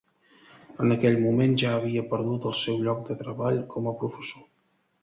En aquell moment ja havia perdut el seu lloc de treball com a professor.